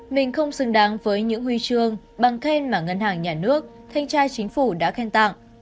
mình không xứng đáng với những huy chương bằng khen mà ngân hàng nhà nước thanh tra chính phủ đã khen tặng